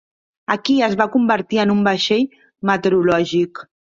Aquí es va convertir en un vaixell meteorològic.